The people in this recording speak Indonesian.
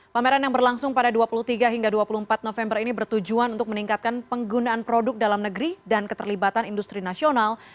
pameran yang berlangsung pada dua puluh tiga hingga dua puluh empat november ini bertujuan untuk meningkatkan penggunaan produk dalam negeri dan keterlibatan industri nasional